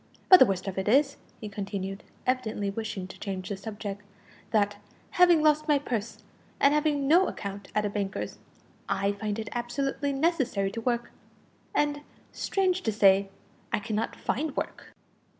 But the worst of it is," he continued, evidently wishing to change the subject, "that, having lost my purse, and having no account at a banker's, I find it absolutely necessary to work, and, strange to say, I cannot find work."